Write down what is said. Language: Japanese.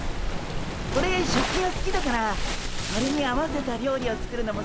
オレ食器がすきだからそれに合わせた料理を作るのもすきなんすよ。